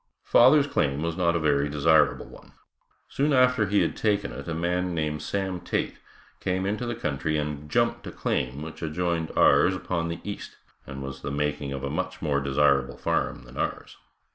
Father's claim was not a very desirable one. Soon after he had taken it a man named Sam Tait came into the country and "jumped" a claim which adjoined ours upon the east, and was the making of a much more desirable farm than ours.